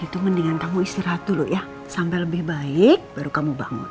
tunggu dulu ya sampai lebih baik baru kamu bangun